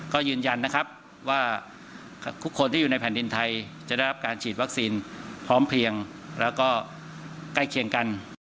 ก็ยืนยันนะครับว่าทุกคนที่อยู่ในแผ่นดินไทยจะได้รับการฉีดวัคซีนพร้อมเพียงแล้วก็ใกล้เคียงกัน